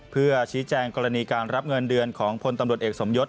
เพื่อชี้แจงกรณีการรับเงินเดือนของพลตำรวจเอกสมยศ